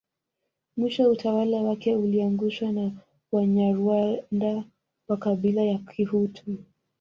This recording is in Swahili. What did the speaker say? Mwisho utawala wake uliangushwa na Wanyarwanda wa Kabila la Kihutu